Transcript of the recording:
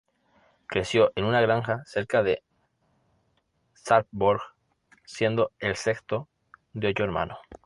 Creció en una granja cerca de Sarpsborg siendo el sexto de ocho hermanos.